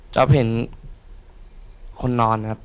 จะเห็นคนนอนครับ